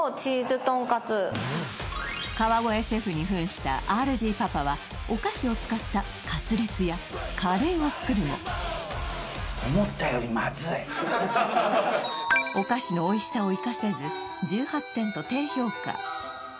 川越シェフに扮したＲＧパパはお菓子を使ったカツレツやカレーを作るもお菓子のおいしさを生かせず１８点と低評価